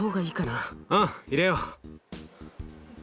うん入れよう。